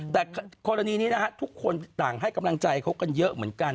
แต่กรณีนี้นะฮะทุกคนต่างให้กำลังใจเขากันเยอะเหมือนกัน